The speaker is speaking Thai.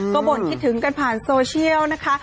ก็บ่นคิดถึงกันผ่านโซเชียลนะคะ